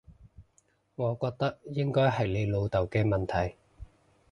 我覺得應該係你老豆嘅問題